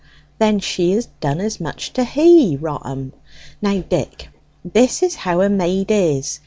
"Then she has done as much to he rot 'em! Now, Dick, this is how a maid is.